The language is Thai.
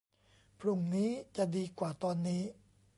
พรุ่งนี้จะดีกว่าตอนนี้